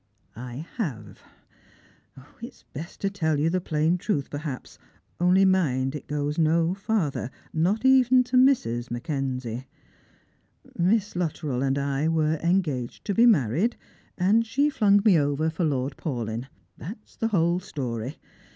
" I have. It's best to tell you the plain truth, perhaps ; only mind it goes no farther, not even to Mrs. Mackenzie. Miss Luttrell and I were engaged to be married, and she flung me over for Lord Paulyn. That's the whole story.